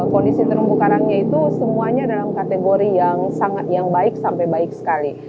kondisi terumbu karangnya itu semuanya dalam kategori yang baik sampai baik sekali